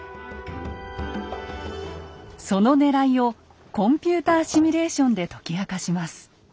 そのねらいをコンピューターシミュレーションで解き明かします。